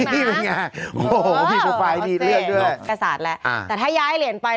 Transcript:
มีช้อยให้เลือกนะ